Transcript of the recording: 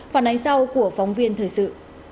phản ánh sau của phóng viên thời sự